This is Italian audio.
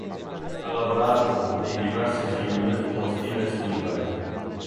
Ha lavorato in diversi film con Steven Spielberg.